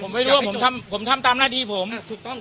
ผมไม่รู้ว่าผมทำผมทำตามหน้าที่ผมถูกต้อง